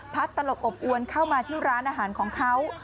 ตลบอบอวนเข้ามาที่ร้านอาหารของเขา